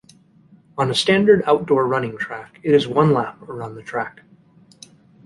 On a standard outdoor running track, it is one lap around the track.